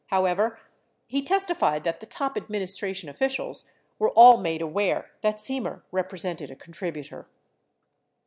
However, he testified that the top administration officials were all made aware that Semer represented a contributor.